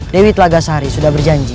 dewi telaga sari sudah berjanji